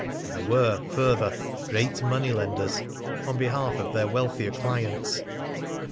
And they were, further, great money lenders on behalf of their wealthier clients.